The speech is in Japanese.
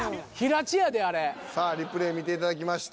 さあリプレイ見ていただきました。